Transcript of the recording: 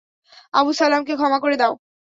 আবু সালামাকে ক্ষমা করে দাও।